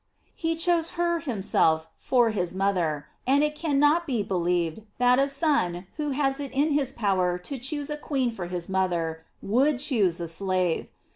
He chose her himself for his mother and it cannot be believed that a son who has it in his power to choose a queen for his mother, would choose a slave.